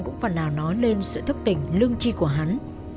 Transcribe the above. cũng phần nào nói lên sự thức tỉnh lương tri của hắn